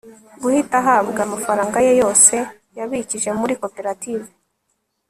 guhita ahabwa amafaranga ye yose yabikije muri koperative